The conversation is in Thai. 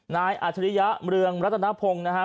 อาจริยะเมืองรัตนพงศ์นะครับ